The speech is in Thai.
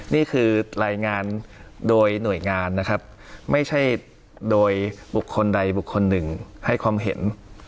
นี่คือรายงานโดยหน่วยงานนะครับไม่ใช่โดยบุคคลใดบุคคลหนึ่งให้ความเห็น